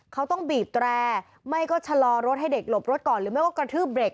เขาต้องบีบแตร